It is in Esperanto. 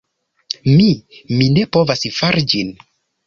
Mi... mi ne povas fari ĝin.